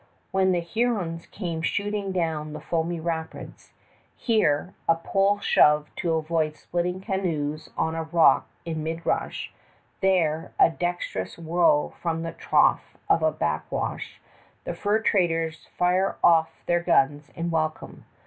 When the Hurons come shooting down the foamy rapids here, a pole shove to avoid splitting canoes on a rock in mid rush; there, a dexterous whirl from the trough of a back wash the fur traders fire off their guns in welcome.